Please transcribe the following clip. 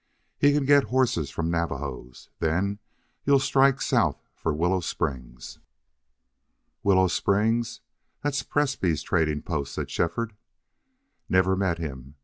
He can get horses from Navajos. Then you'll strike south for Willow Springs." "Willow Springs? That's Presbrey's trading post," said Shefford. "Never met him.